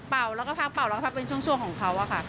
เป่าแล้วก็พักเป่าแล้วก็เป็นช่วงของเขาค่ะ